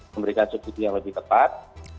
memberikan subsidi yang lebih tepat